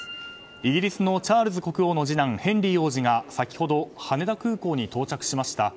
イギリスのチャールズ国王の次男ヘンリー王子が先ほど、羽田空港に到着しました。